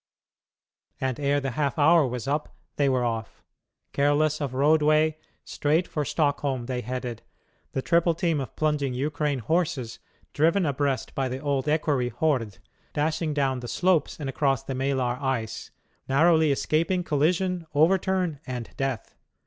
And ere the half hour was up they were off. Careless of roadway, straight for Stockholm they headed, the triple team of plunging Ukraine horses, driven abreast by the old equerry Hord, dashing down the slopes and across the Maelar ice, narrowly escaping collision, overturn, and death.